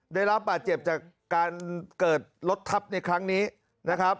ได้รับบาดเจ็บจากการเกิดรถทับในครั้งนี้นะครับ